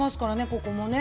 ここもね。